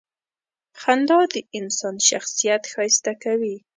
• خندا د انسان شخصیت ښایسته کوي.